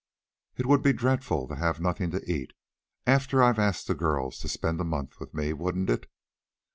It would be dreadful to have nothing to eat, after I'd asked the girls to spend a month with me; wouldn't it?"